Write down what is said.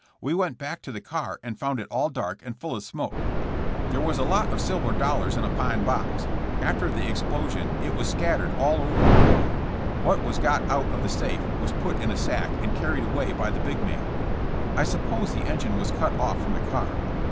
We went back to the car and found it all dark and full of smoke. There was d lot of silver dollars in a pine box. After the explosion it was scattered all over the floor. What was got out of the safe was put in a sack and carried away by the big man. ^'I supposed the engine was cut off from the car.